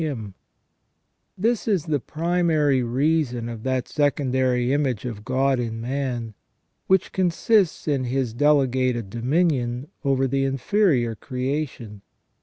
68 THE SECONDARY IMAGE OF GOD IN MAN This is the primary reason of that secondary image of God in man which consists in his delegated dominion over the inferior creation.